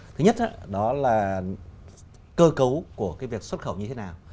thứ nhất đó là cơ cấu của cái việc xuất khẩu như thế nào